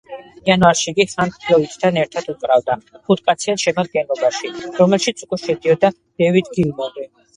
იანვარში იგი პინკ ფლოიდთან ერთად უკრავდა, ხუთკაციან შემადგენლობაში, რომელშიც უკვე შედიოდა დევიდ გილმორი.